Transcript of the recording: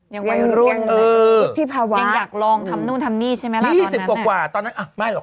อย่างวัยรุ่นที่ภาวะยังอยากลองทำนู่นทำนี่ใช่ไหมล่ะยี่สิบกว่าตอนนั้นอ่ะไม่หรอก